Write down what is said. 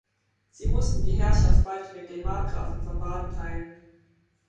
Sie mussten die Herrschaft bald mit den Markgrafen von Baden teilen.